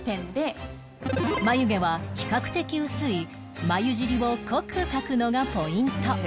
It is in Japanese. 眉毛は比較的薄い眉尻を濃く描くのがポイント